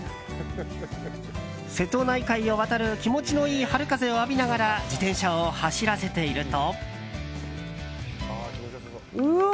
瀬戸内海を渡る気持ちのいい春風を浴びながら自転車を走らせていると。